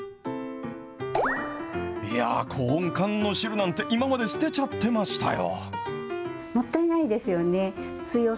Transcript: いや、コーン缶の汁なんて、今まで捨てちゃってましたよ。